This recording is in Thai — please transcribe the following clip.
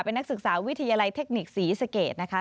เป็นนักศึกษาวิทยาลัยเทคนิคศรีสเกตนะคะ